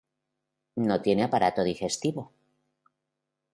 No tienen aparato digestivo.